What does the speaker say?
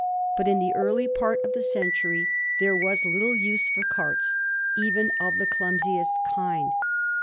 But in the early part of the century there was little use for carts, even of the clumsiest kind.